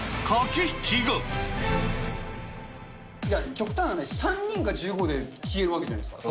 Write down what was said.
極端な話、３人が１５で消えるわけじゃないですか。